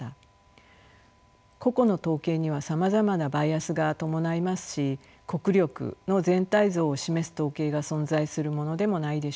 個々の統計にはさまざまなバイアスが伴いますし国力の全体像を示す統計が存在するものでもないでしょう。